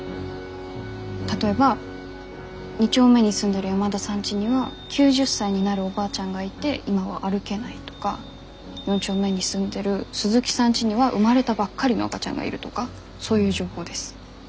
例えば２丁目に住んでる山田さんちには９０歳になるおばあちゃんがいて今は歩けないとか４丁目に住んでる鈴木さんちには生まれたばっかりの赤ちゃんがいるとかそういう情報です。